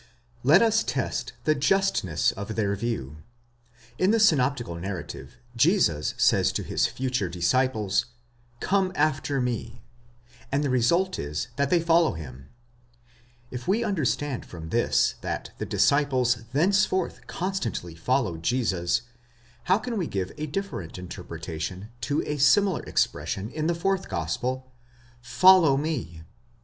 Let us test the justness of their view. In the synoptical narrative Jesus says to his future disciples, Come after me, δεῦτε ὀπίσω pov, and the result is that they follow him (ἠκολούθησαν αὐτῷ). If we understand from this that the disciples thenceforth constantly followed Jesus, how can we give a differ ent interpretation to the similar expression in the fourth gospel, Fo/low me